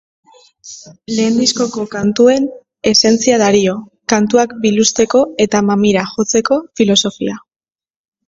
Lehen diskoko kantuen esentzia dario, kantuak biluzteko eta mamira jotzeko filosofia.